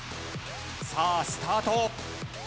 さあスタート。